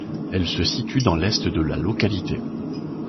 Elle se situe dans l'est de la localité.